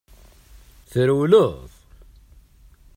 Trewleḍ.